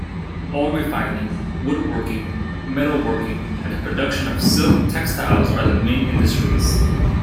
Oil refining, woodworking, metalworking, and the production of silk textiles are the main industries.